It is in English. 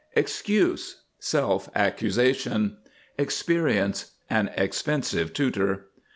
EXCUSE. Self accusation. EXPERIENCE. An expensive tutor.